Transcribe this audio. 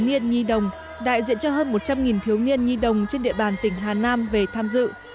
niên nhi đồng đại diện cho hơn một trăm linh thiếu niên nhi đồng trên địa bàn tỉnh hà nam về tham dự